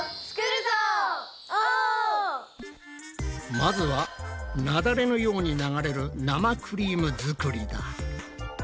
まずはなだれのように流れる生クリーム作りだ。